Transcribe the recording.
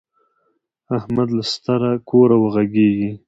احمد له ستره کوره غږيږي.